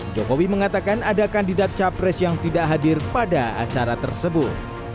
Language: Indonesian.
jokowi mengatakan ada kandidat capres yang tidak hadir pada acara tersebut